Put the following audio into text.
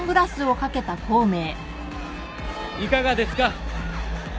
いかがですか？